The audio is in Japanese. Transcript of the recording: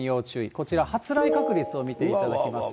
こちら、発雷確率を見ていただきますと。